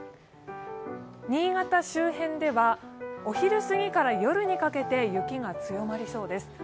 新潟周辺ではお昼すぎから夜にかけて雪が強まりそうです。